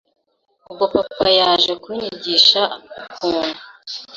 Ubwo papa yaje kunyigisha ukuntu